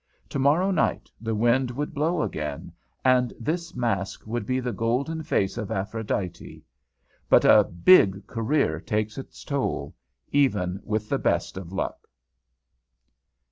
Tomorrow night the wind would blow again, and this mask would be the golden face of Aphrodite. But a "big" career takes its toll, even with the best of luck.